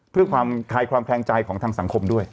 เพื่อความคลายความแคลงใจของทางสังคมด้วย